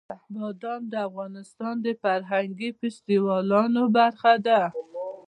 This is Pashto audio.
بادام د افغانستان د فرهنګي فستیوالونو برخه ده.